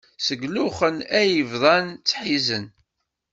Seg luxen ay bdan ttḥiẓen.